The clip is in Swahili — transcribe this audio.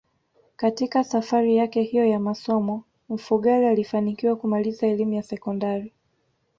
Katika safari yake hiyo ya masomo Mfugale alifanikiwa kumaliza elimu ya sekondari